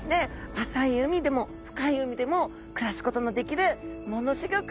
浅い海でも深い海でも暮らすことのできるものすギョく